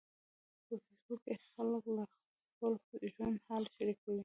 په فېسبوک کې خلک له خپل ژوند حال شریکوي.